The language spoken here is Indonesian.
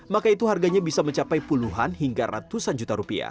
maka itu harganya bisa mencapai puluhan hingga ratusan juta rupiah